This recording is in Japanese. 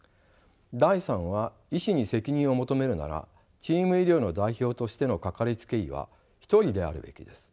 第３は医師に責任を求めるならチーム医療の代表としてのかかりつけ医は一人であるべきです。